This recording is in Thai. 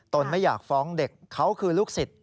ไม่อยากฟ้องเด็กเขาคือลูกศิษย์